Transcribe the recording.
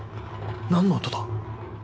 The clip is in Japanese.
何の音だ？